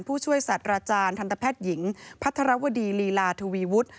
ผู้ช่วยศาสตรทรัพย์หญิงพัจรวดีรีลาธวีวุฒร์